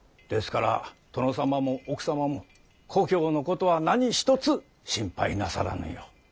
ですから殿様も奥様も故郷のことは何一つ心配なさらぬよう。